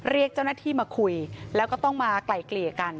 เรียกเจ้าหน้าที่มาคุยแล้วก็ต้องมาไกลเกลี่ยกัน